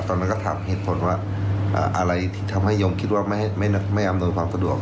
ตอนนั้นก็ถามเหตุผลว่าอะไรที่ทำให้โยมคิดว่าไม่อำนวยความสะดวก